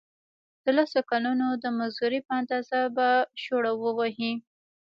د لسو کلونو د مزدورۍ په اندازه به شوړه ووهي.